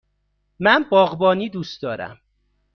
من باغبانی دوست دارم.